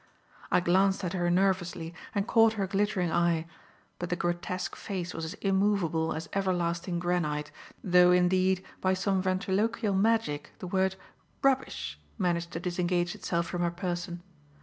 I glanced at her nervously and caught her glittering eye; but the grotesque face was as immovable as everlasting granite, though, indeed, by some ventriloquial magic, the word "Rubbish" managed to disengage itself from her person.